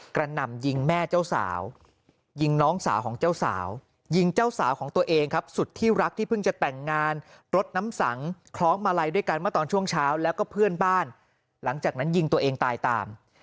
หน่ำยิงแม่เจ้าสาวยิงน้องสาวของเจ้าสาวยิงเจ้าสาวของตัวเองครับสุดที่รักที่เพิ่งจะแต่งงานรถน้ำสังคล้องมาลัยด้วยกันเมื่อตอนช่วงเช้าแล้วก็เพื่อนบ้านหลังจากนั้นยิงตัวเองตายตาม